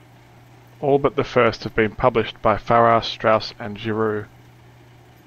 All but the first have been published by Farrar, Straus and Giroux.